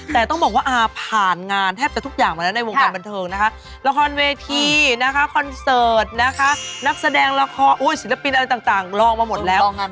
แต่ต้องบอกว่าอาผ่านงานแทบจะทุกอย่างมาแล้วในวงการบันเทิงนะคะละครเวทีนะคะคอนเสิร์ตนะคะนักแสดงละครศิลปินอะไรต่างลองมาหมดแล้ว